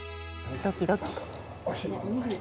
ドキドキ。